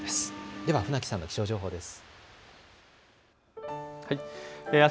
では船木さんの気象情報です。